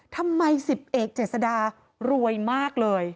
ทำไม๑๐เอกเจษดารวยมากเลย